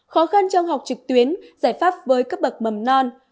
khó khăn trong học trực tuyến giải pháp với các bậc mầm non